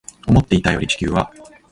思っていたより地球は